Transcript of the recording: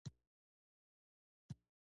شپه که هر څه توفانی ده، چراغونه لا بلیږی